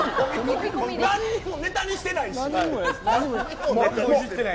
何もネタにしてないし。